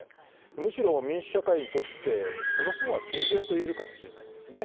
むしろ民主社会にとってその方が健全と言えるかもしれない。